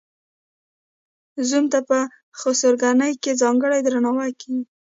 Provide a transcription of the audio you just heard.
زوم ته په خسرګنۍ کې ځانګړی درناوی کیږي.